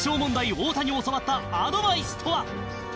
太田に教わったアドバイスとは？